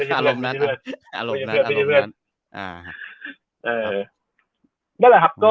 เออนั่นแหละครับ